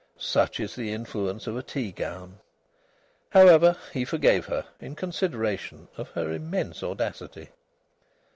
Such is the influence of a tea gown. However, he forgave her, in consideration of her immense audacity.)